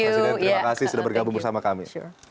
presiden terima kasih sudah bergabung bersama kami